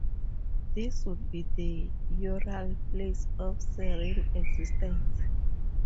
This would be the Ural "place of serene existence".